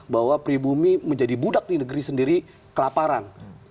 bahwa pribumi menjadi budak di negeri sendiri kelaparan